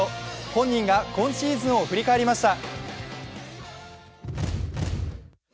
本人が今シーズンを振り返りました。